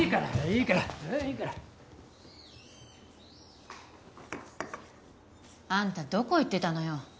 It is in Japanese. いいから。あんたどこ行ってたのよ。